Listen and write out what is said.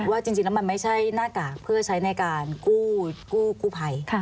ว่าจริงแล้วมันไม่ใช่หน้ากากเพื่อใช้ในการกู้ภัย